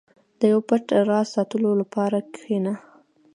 • د یو پټ راز ساتلو لپاره کښېنه.